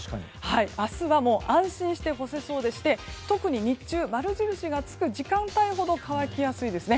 明日は安心して干せそうでして特に日中、丸印がつく時間ほど乾きやすいですね。